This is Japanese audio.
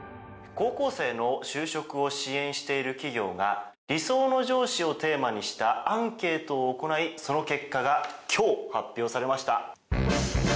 高校生の就職を支援している企業が理想の上司をテーマにしたアンケートを行いその結果が今日、発表されました。